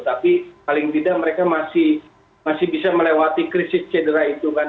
tapi paling tidak mereka masih bisa melewati krisis cedera itu kan